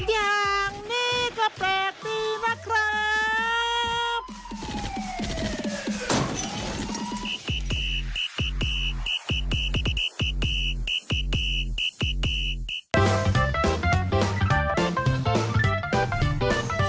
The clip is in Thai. อย่างนี้ก็แปลกดีนะครับ